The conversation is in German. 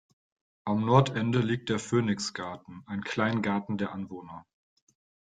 Am Nordende liegt der "Phoenix Garden", ein Kleingarten der Anwohner.